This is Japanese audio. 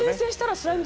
「スライム」